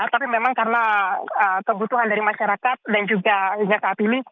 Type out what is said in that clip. tapi memang karena kebutuhan dari masyarakat dan juga hingga saat ini